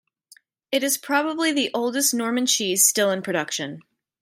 It is probably the oldest Norman cheese still in production.